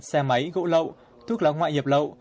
xe máy gỗ lậu thuốc lọc ngoại nhập lậu